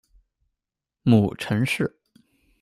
母程氏。